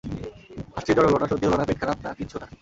হাঁসটির জ্বর হলো না, সর্দি হলো না, পেট খারাপ না, কিচ্ছু না।